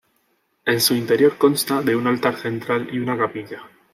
En su interior consta de un altar central y una capilla.